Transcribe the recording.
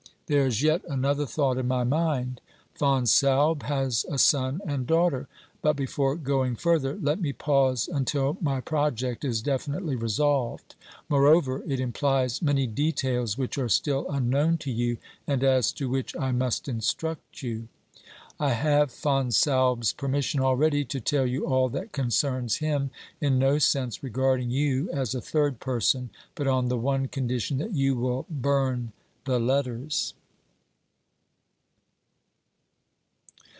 There is yet another thought in my mind : Fonsalbe has a son and daughter. But before going further, let me pause until my project is definitely resolved ; moreover, it implies many details which are still unknown to you and as to which I must instruct you. I have Fonsalbe's permis sion already to tell you all that concerns him, in no sense regarding you as a third person, but on the one condition that you will burn the letters.